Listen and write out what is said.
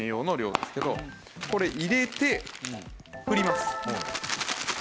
これ入れて振ります。